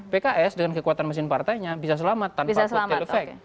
pks dengan kekuatan mesin partainya bisa selamat tanpa foto effect